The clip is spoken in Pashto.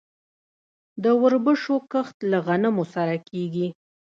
د وربشو کښت له غنمو سره کیږي.